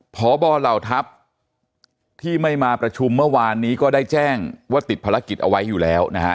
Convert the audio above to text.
พบเหล่าทัพที่ไม่มาประชุมเมื่อวานนี้ก็ได้แจ้งว่าติดภารกิจเอาไว้อยู่แล้วนะฮะ